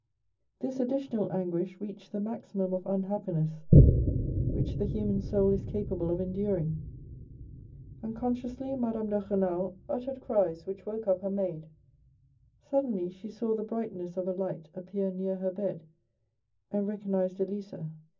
This additional anguish reached the maximum of unhappiness which the human soul is capable of enduring. Unconsciously, Madame de Renal uttered cries which woke up her maid. Suddenly she saw the brightness of a light appear near her bed, and recognized Elisa.